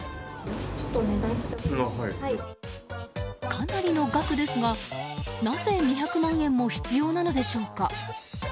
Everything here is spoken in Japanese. かなりの額ですがなぜ２００万円も必要なのでしょうか。